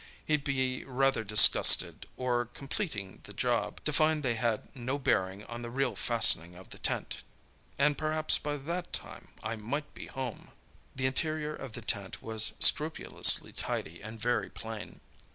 "He'd be rather disgusted, on completing the job, to find they had no bearing on the real fastening of the tent. And perhaps by that time I might be home!" The interior of the tent was scrupulously tidy and very plain.